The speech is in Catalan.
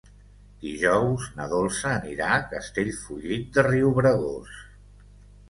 Dijous na Dolça anirà a Castellfollit de Riubregós.